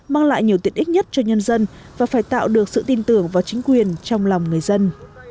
mang lại nhiều tiện ích nhất cho nhân dân và phải tạo được sự tin tưởng vào chính quyền trong lòng người dân